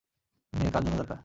মেয়ে কার জন্য দরকার?